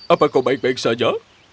apa kau baik baik saja